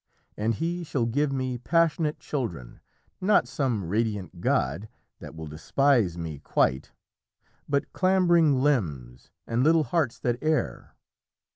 And he shall give me passionate children, not Some radiant god that will despise me quite, But clambering limbs and little hearts that err.